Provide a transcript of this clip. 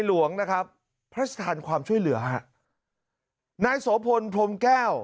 หลวงนะครับพระราชทานความช่วยเหลือฮะนายโสพลพรมแก้ว